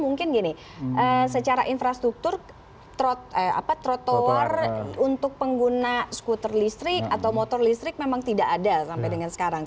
mungkin gini secara infrastruktur trotoar untuk pengguna skuter listrik atau motor listrik memang tidak ada sampai dengan sekarang